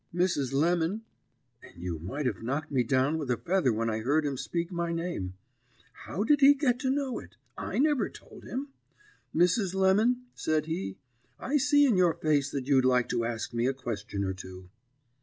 Mrs. Lemon ' and you might have knocked me down with a feather when I heard him speak my name. How did he get to know it? I never told him. Mrs. Lemon,' said he, 'I see in your face that you'd like to ask me a question or two.'